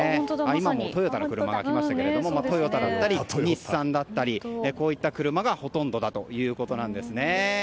今もトヨタの車が来ましたがトヨタだったり日産だったりこういった車がほとんどだということなんですね。